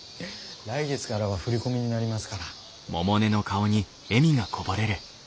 来月がらは振り込みになりますから。